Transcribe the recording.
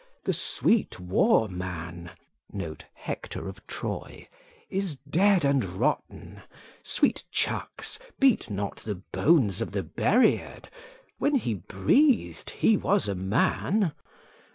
"The sweet war man (Hector of Troy) is dead and rotten; sweet chucks, beat not the bones of the buried: when he breathed, he was a man!"